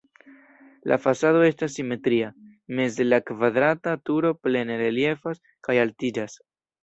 La fasado estas simetria, meze la kvadrata turo plene reliefas kaj altiĝas.